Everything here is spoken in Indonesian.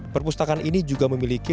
perpustakaan ini juga memiliki